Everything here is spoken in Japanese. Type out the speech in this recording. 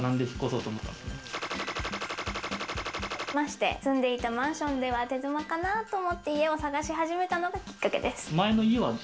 何でまして、住んでいたマンションでは手狭かなと思って、探し始めたのがきっかけです。